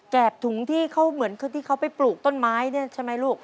ถุงที่เขาเหมือนคือที่เขาไปปลูกต้นไม้เนี่ยใช่ไหมลูก